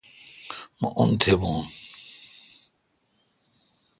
مہ اون تھبون۔